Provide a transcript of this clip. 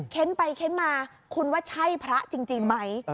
ไปเค้นมาคุณว่าใช่พระจริงไหม